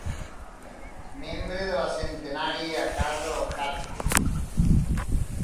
Membre de la centenària Casa dels Habsburg.